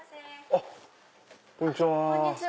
あっこんにちは！